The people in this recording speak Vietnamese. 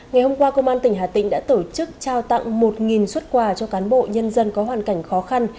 ngày hôm qua công an tỉnh hà tĩnh đã tổ chức trao tặng một xuất quà cho cán bộ nhân dân có hoàn cảnh khó khăn